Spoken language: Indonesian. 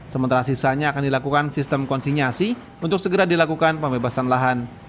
sementara sisanya akan dilakukan sistem konsinyasi untuk segera dilakukan pembebasan lahan